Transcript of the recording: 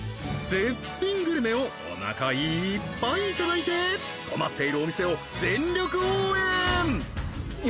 絶品グルメをおなかいっぱいいただいて困っているお店を全力応援！